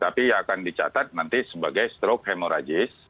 tapi yang akan dicatat nanti sebagai stroke hemorrhagis